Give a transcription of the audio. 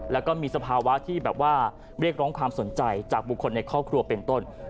แล้วก็มีสภาวะที่แบบว่าเรียกร้องความสนใจจากบุคคลในครอบครัวเป็นต้น